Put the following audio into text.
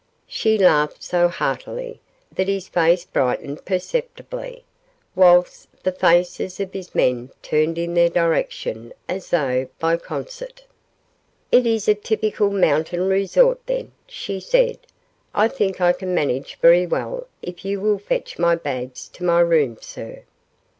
She laughed so heartily that his face brightened perceptibly, whilst the faces of his men turned in their direction as though by concert. "It is a typical mountain resort, then," she said, "I think I can manage very well if you will fetch my bags to my room, sir."